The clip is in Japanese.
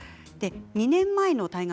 ２年前の大河